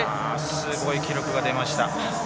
すごい記録が出ました。